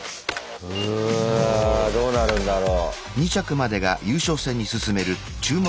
うわどうなるんだろう？